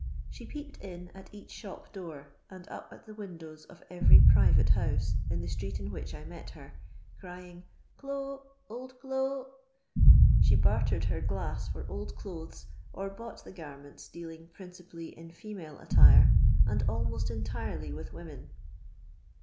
She peeped in at each shop door, and up at the windows of every private house, in the street in which I met her, crying, " Clo', old do' !'* She bartered her glass for old clothes, or bought the gannentf, dealing principally in female attire, and almost entirely with women.